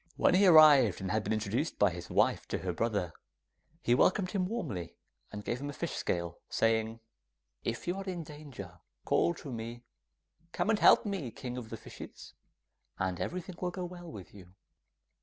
When he arrived and had been introduced by his wife to her brother, he welcomed him warmly, and gave him a fish scale, saying, 'If you are in danger, call to me, "Come and help me, King of the Fishes," and everything will go well with you.